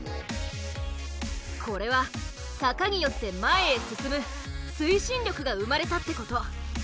これは坂によって前へ進む「推進力」が生まれたってこと。